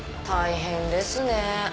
大変ですね。